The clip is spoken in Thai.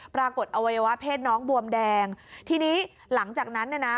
อวัยวะเพศน้องบวมแดงทีนี้หลังจากนั้นเนี่ยนะ